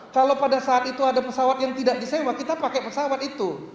kalau pada saat itu ada pesawat yang tidak disewa kita pakai pesawat itu